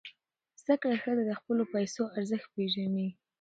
زده کړه ښځه د خپلو پیسو ارزښت پېژني.